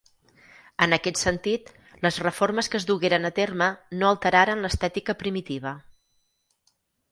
En aquest sentit, les reformes que es dugueren a terme no alteraren l'estètica primitiva.